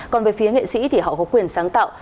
còn về phía nghệ sĩ thì họ có quyền sáng tạo